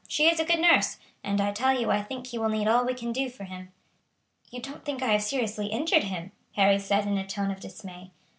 She is a good nurse, and I tell you I think he will need all we can do for him." "You don't think I have seriously injured him?" Harry said in a tone of dismay.